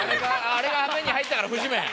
あれが目に入ったからフジメン。